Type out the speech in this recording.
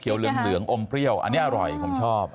เหลืองอมเปรี้ยวอันนี้อร่อยผมชอบ